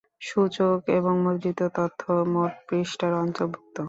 সূচক এবং মুদ্রিত তথ্য, মোট পৃষ্ঠার অন্তর্ভুক্ত।